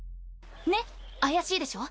ねっ怪しいでしょ。